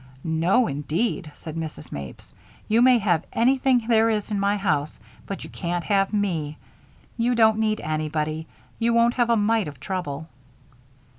"No, indeed," said Mrs. Mapes. "You may have anything there is in my house, but you can't have me. You don't need anybody; you won't have a mite of trouble."